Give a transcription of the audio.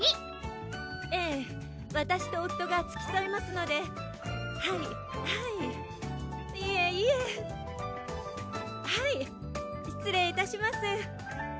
ええわたしと夫がつきそいますのではいはいいえいえはい失礼いたします